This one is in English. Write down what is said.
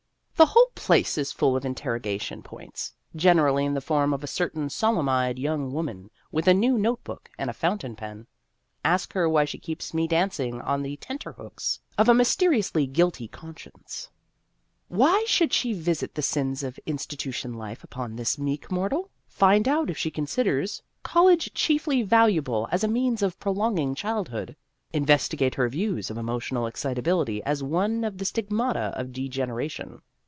The whole place is full of interrogation points, generally in the form of a certain solemn eyed young woman with a new note book and a fountain pen. Ask her why she keeps me dancing on the tenter hooks of a mysteriously guilty conscience. Why should she visit the sins of institu tion life upon this meek mortal ? Find out if she considers college chiefly 244 Vassar Studies valuable as a means of prolonging child hood. Investigate her views of emotional excitability as one of the stigmata of degeneration.